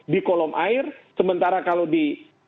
di kolom air sementara kalau di